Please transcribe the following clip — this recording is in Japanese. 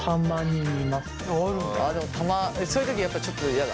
そういう時やっぱちょっと嫌だ？